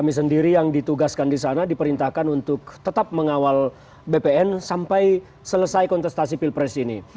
dan sendiri yang ditugaskan di sana diperintahkan untuk tetap mengawal bpn sampai selesai kontestasi pilpres ini